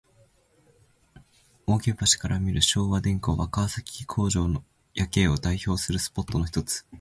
扇橋から見る昭和電工は、川崎工場夜景を代表するスポットのひとつ。